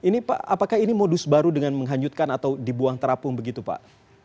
ini apakah ini modus baru dengan menghanyutkan atau dibuang terapung begitu pak